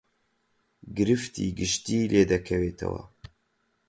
گرفتی گشتی لێ دەکەوێتەوە